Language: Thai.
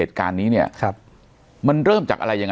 สวัสดีครับทุกผู้ชม